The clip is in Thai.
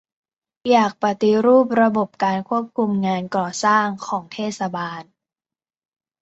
อยากจะปฏิรูประบบการควบคุมงานก่อสร้างของเทศบาล